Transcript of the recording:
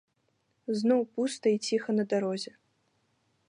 Зноў пуста і ціха на дарозе.